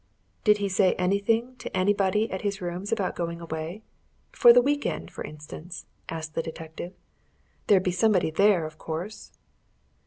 "Did he say anything to anybody at his rooms about going away? for the week end, for instance?" asked the detective. "There'd be somebody there, of course."